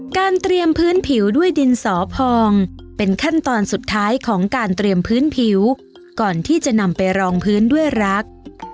เตรียมพื้นผิวด้วยดินสอพองเป็นขั้นตอนสุดท้ายของการเตรียมพื้นผิวก่อนที่จะนำไปรองพื้นด้วยรัก